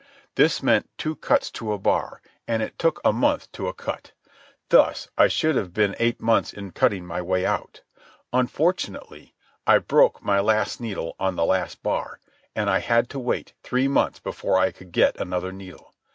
This meant two cuts to a bar, and it took a month to a cut. Thus I should have been eight months in cutting my way out. Unfortunately, I broke my last needle on the last bar, and I had to wait three months before I could get another needle.